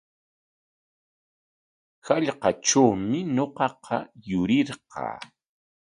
Hallqatrawmi ñuqaqa yurirqaa.